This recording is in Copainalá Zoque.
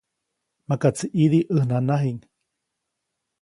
Makaʼtsi ʼidi ʼäj nanajiʼŋ.